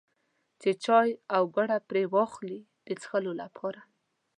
چې چای او ګوړه پرې واخلي د څښلو لپاره.